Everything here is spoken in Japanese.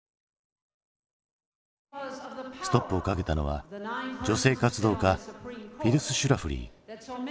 ストップをかけたのは女性活動家フィリス・シュラフリー。